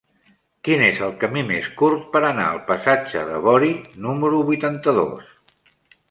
Quin és el camí més curt per anar al passatge de Bori número vuitanta-dos?